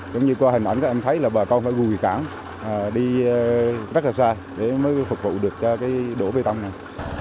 và hình ảnh các em thấy là bà con phải gùi cảng đi rất là xa để mới phục vụ được cho cái đổ bê tông này